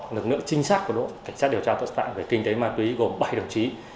lực lượng trinh sát của đội cảnh sát điều tra tội phạm về kinh tế ma túy gồm bảy đồng chí